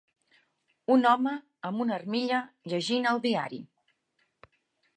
Un home amb una armilla llegint el diari.